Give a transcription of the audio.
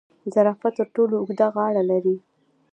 زرافه تر ټولو اوږده غاړه لري